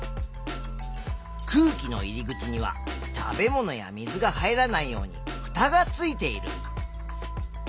空気の入り口には食べ物や水が入らないようにふたがついている。